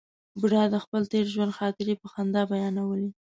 بوډا د خپل تېر ژوند خاطرې په خندا بیانولې.